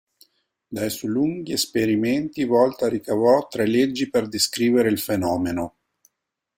Dai suoi lunghi esperimenti Volta ricavò tre leggi per descrivere il fenomeno.